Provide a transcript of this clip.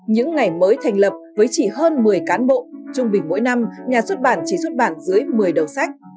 những ngày mới thành lập với chỉ hơn một mươi cán bộ trung bình mỗi năm nhà xuất bản chỉ xuất bản dưới một mươi đầu sách